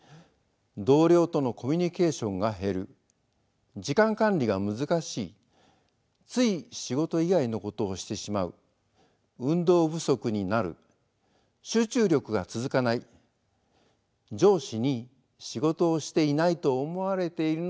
「同僚とのコミュニケーションが減る」「時間管理が難しい」「つい仕事以外のことをしてしまう」「運動不足になる」「集中力が続かない」「上司に仕事をしていないと思われているのではないかと心配になる」